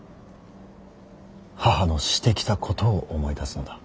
母のしてきたことを思い出すのだ。